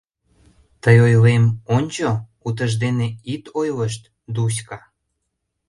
«Тый, ойлем, ончо, утыждене ит ойлышт, Дуська.